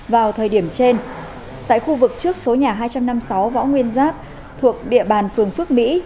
vào thời điểm trên tại khu vực trước số nhà hai trăm năm mươi sáu võ nguyên giáp thuộc địa bàn phường phước mỹ